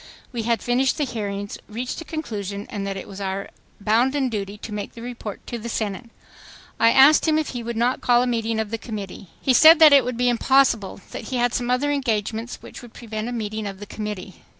. we had finished the hearings, reached a conclusion and that it was our bounden duty to make the report to the Senate .... I asked him if he would not call a meeting of the Committee. He said that it would be impossible, that he had some other engagements which would prevent a meeting of the Committee."